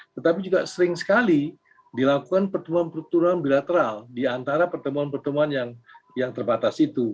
tetapi juga sering sekali dilakukan pertemuan pertemuan bilateral di antara pertemuan pertemuan yang terbatas itu